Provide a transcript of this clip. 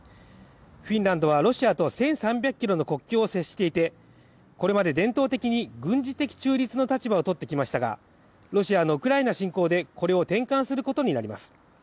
フィンランドはロシアとは１３００ｋｍの国境を接していてこれまで伝統的に軍事的中立の立場をとってきましたがロシアのウクライナ侵攻でこれを転換することになります。